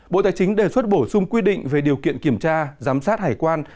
bộ tài chính đề xuất bổ sung quy định về điều kiện kiểm tra giám sát hải quan